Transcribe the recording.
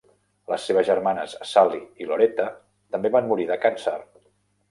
Les seves germanes Sally i Loretta també van morir de càncer.